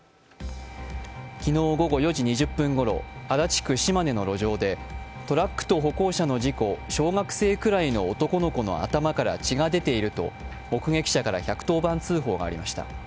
昨日午後４時２０分ごろ、足立区島根の路上でトラックと歩行者の事故小学生ぐらいの男の子の頭から血が出ていると、目撃者から１１０番通報がありました。